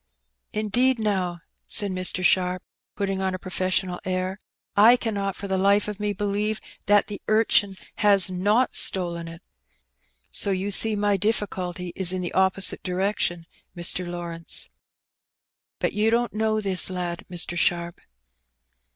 " Indeed, now, said Mr. Sharp, putting on a professional air, " I cannot for the Ufe of me believe that the urchin has not stolen it. So you see my difficulty is in the opposite direction, Mr. Lawrence. A Teeriblb Alteenativb. 163 " But you dou't know this lad, Mr. Sharp."